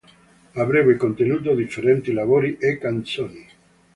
Avrebbe contenuto differenti lavori e canzoni.